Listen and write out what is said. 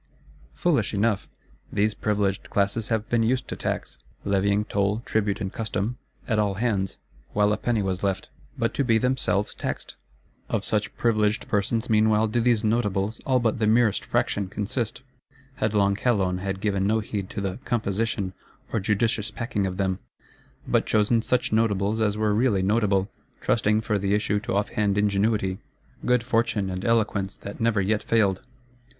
Foolish enough! These Privileged Classes have been used to tax; levying toll, tribute and custom, at all hands, while a penny was left: but to be themselves taxed? Of such Privileged persons, meanwhile, do these Notables, all but the merest fraction, consist. Headlong Calonne had given no heed to the "composition," or judicious packing of them; but chosen such Notables as were really notable; trusting for the issue to off hand ingenuity, good fortune, and eloquence that never yet failed.